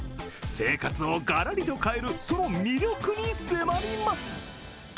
生活をがらりと変えるその魅力に迫ります。